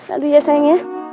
aduh ya sayangnya